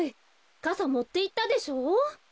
かさもっていったでしょ？